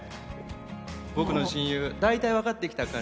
僕の親友、大体分かってきた感じ？